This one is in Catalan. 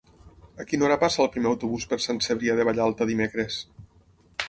A quina hora passa el primer autobús per Sant Cebrià de Vallalta dimecres?